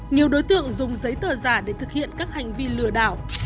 nhiều đối tượng dùng giấy tờ giả để thực hiện các hành vi lừa đảo